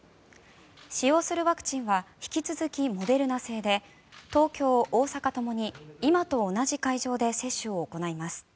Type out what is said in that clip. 使用するワクチンは引き続きモデルナ製で東京、大阪ともに今と同じ会場で接種を行います。